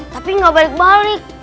tapi gak balik balik